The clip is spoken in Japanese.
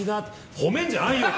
褒めんじゃないよ！って。